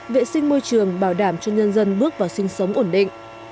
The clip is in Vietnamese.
vệ sinh môi trường bảo đảm cho nhân dân bước vào sinh sống ổn định